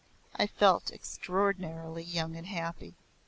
I felt extraordinarily young and happy.